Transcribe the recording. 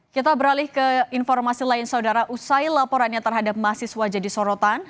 kita beralih ke informasi lain saudara usai laporannya terhadap mahasiswa jadi sorotan